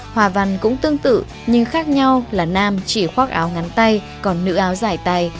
hòa văn cũng tương tự nhưng khác nhau là nam chỉ khoác áo ngắn tay còn nữ áo dài tay